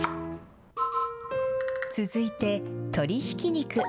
続いて、鶏ひき肉。